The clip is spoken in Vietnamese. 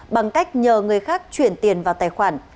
bằng cách nhờ người khác chuyển tiền vào tài khoản